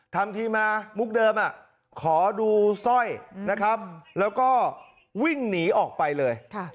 ทำทีมามุกเดิมขอดูสร้อยนะครับแล้วก็วิ่งหนีออกไปเลย